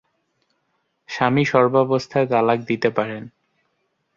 স্বামী সর্বাবস্থায় তালাক দিতে পারেন।